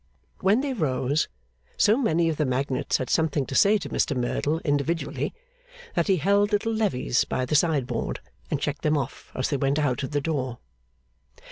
When they rose, so many of the magnates had something to say to Mr Merdle individually that he held little levees by the sideboard, and checked them off as they went out at the door.